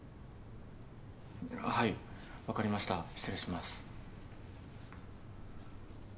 あっはいわかりました失礼します。